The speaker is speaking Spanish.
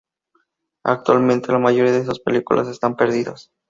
Actualmente, la mayoría de sus películas están perdidas.